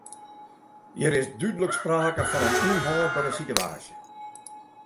Hjir is dúdlik sprake fan in ûnhâldbere situaasje.